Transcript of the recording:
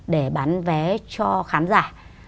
để bán vé cho khán giả